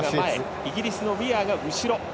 イギリスのウィアーが後ろ。